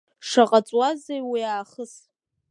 Шаҟа ҵуазеи уи аахыс…